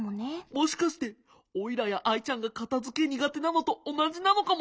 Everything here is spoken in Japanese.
もしかしてオイラやアイちゃんがかたづけ苦手なのとおなじなのかも！